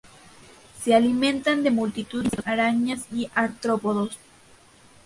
Se alimentan de multitud de insectos, arañas y artrópodos.